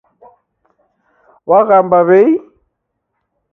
W'aghamba w'ei?